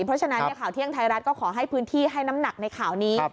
เพราะฉะนั้นข่าวเที่ยงไทยรัฐก็ขอให้พื้นที่ให้น้ำหนักในข่าวนี้